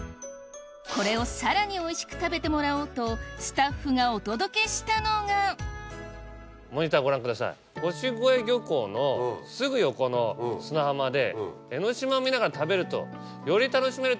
これをさらにおいしく食べてもらおうとスタッフがお届けしたのが腰越漁港のすぐ横の砂浜で。